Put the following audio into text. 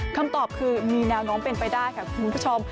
คำตอบคือมีแนวโน้มเป็นไปได้ค่ะคุณผู้ชม